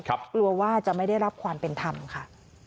กลัวว่าจะไม่ได้รับความเป็นธรรมค่ะ